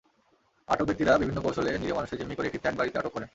আটক ব্যক্তিরা বিভিন্ন কৌশলে নিরীহ মানুষকে জিম্মি করে একটি ফ্ল্যাট বাড়িতে আটক করেন।